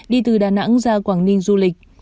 đi từ đà nẵng ra quảng ninh du lịch